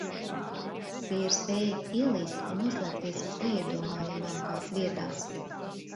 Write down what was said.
Tie ir spējīgi ielīst un noslēpties visneiedomājamākās vietās.